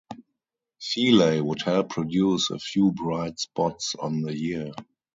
Feeley would help produce a few bright spots on the year.